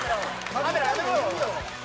カメラやめろよ！